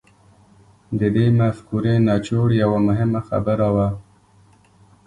د دې مفکورې نچوړ يوه مهمه خبره وه.